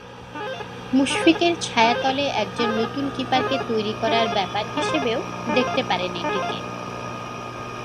মুশফিকের ছায়াতলে একজন নতুন কিপারকে তৈরি করার ব্যাপার হিসেবেও দেখতে পারেন এটিকে।